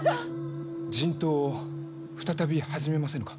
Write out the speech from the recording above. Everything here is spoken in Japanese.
人痘を再び始めませぬか？